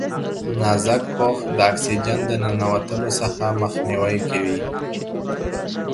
نازک پوښ د اکسیجن د ننوتلو څخه مخنیوی کوي.